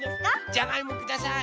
じゃがいもください。